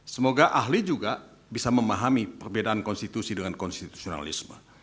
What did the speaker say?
semoga ahli juga bisa memahami perbedaan konstitusi dengan konstitusionalisme